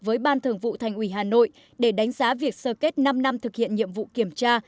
với ban thường vụ thành ủy hà nội để đánh giá việc sơ kết năm năm thực hiện nhiệm vụ kiểm tra